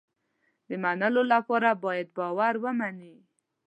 د منلو لپاره باید باور ومني.